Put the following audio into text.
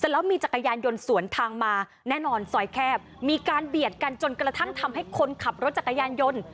แล้วมีจักรยานยนต์สวนทางมาแน่นอนซอยแคบมีการเบียดกันจนกระทั่งทำให้คนขับรถจักรยานยนต์